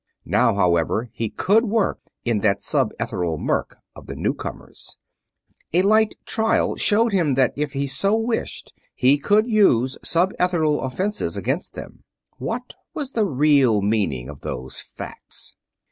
Now, however, he could work in the sub ethereal murk of the newcomers; a light trial showed him that if he so wished he could use sub ethereal offenses against them. What was the real meaning of those facts?